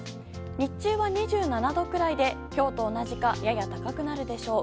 日中は２７度くらいで今日と同じかやや高くなるでしょう。